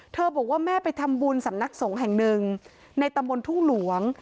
บอกว่าแม่ไปทำบุญสำนักสงฆ์แห่งหนึ่งในตำบลทุ่งหลวง